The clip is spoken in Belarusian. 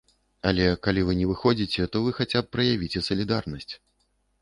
Але калі вы не выходзіце, то вы хаця б праявіце салідарнасць.